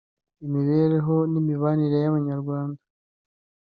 imibereho n’imibanire y’abanyarwanda